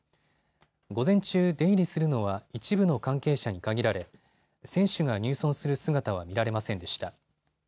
午前中、出入りするのは一部の関係者に限られ選手が入村する姿は見られませんでした。